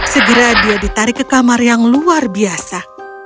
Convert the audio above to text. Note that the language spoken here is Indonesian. segera dia ditarik ke kamar yang luar biasa